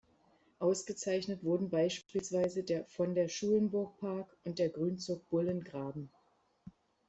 Ausgezeichnet wurden beispielsweise der Von-der-Schulenburg-Park und der Grünzug Bullengraben.